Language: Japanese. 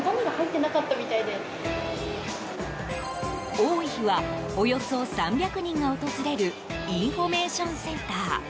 多い日はおよそ３００人が訪れるインフォメーションセンター。